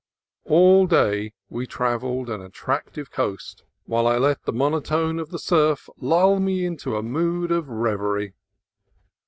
All day we travelled an attractive coast, while I let the monotone of the surf lull me into a mood of reverie.